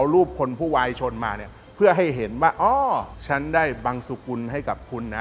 รูปคนผู้วายชนมาเนี่ยเพื่อให้เห็นว่าอ๋อฉันได้บังสุกุลให้กับคุณนะ